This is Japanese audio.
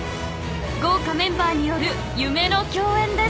豪華メンバーによる夢の共演です。